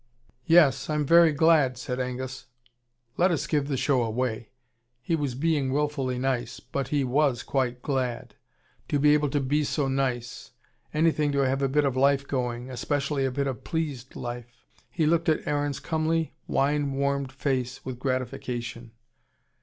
"Yes. I'm very glad," said Angus. Let us give the show away: he was being wilfully nice. But he was quite glad; to be able to be so nice. Anything to have a bit of life going: especially a bit of pleased life. He looked at Aaron's comely, wine warmed face with gratification.